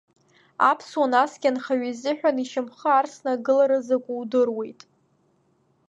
Аԥсуа, насгьы анхаҩы изыҳәан ишьамхы арсны агылара закәу удыруеит.